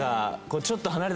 ちょっと。